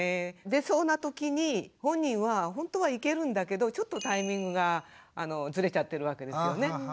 出そうなときに本人はほんとは行けるんだけどちょっとタイミングがずれちゃってるわけですよね。